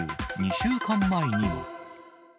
２週間前にも。